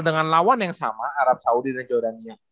dengan lawan yang sama arab saudi dan jordania